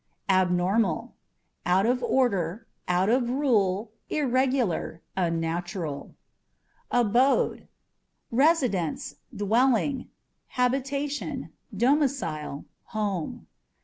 Abnormal â€" out of order, out of rule, irregular, unnatural. Abode â€" residence, dwelling, habitation, domicile, home.